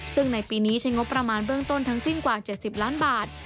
ซึ่งในปีนี้ใช้งบประมาณเบื้องต้นทั้งสิ้นกว่า๗๐ล้านบาท